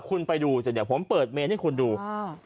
คุณไปดูสิเดี๋ยวผมเปิดเมนให้คุณดูอ่า